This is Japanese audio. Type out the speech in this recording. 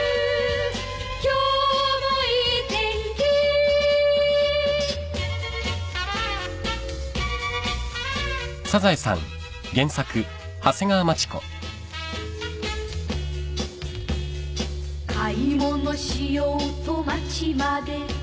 「今日もいい天気」「買い物しようと街まで」